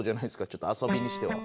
ちょっと遊びにしては。